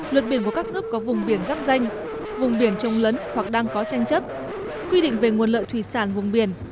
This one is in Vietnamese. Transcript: luật biển của các nước có vùng biển giáp danh vùng biển trông lấn hoặc đang có tranh chấp quy định về nguồn lợi thủy sản vùng biển